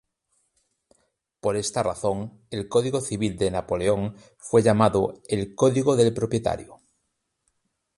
Por esta razón el Código Civil de Napoleón fue llamado "el Código del propietario".